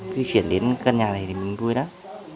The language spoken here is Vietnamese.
cứ chuyển đến căn nhà này thì mình vui lắm